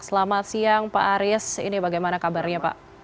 selamat siang pak aris ini bagaimana kabarnya pak